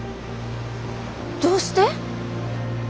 どうして？